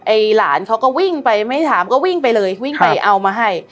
หลานเขาก็วิ่งไปไม่ถามก็วิ่งไปเลยวิ่งไปเอามาให้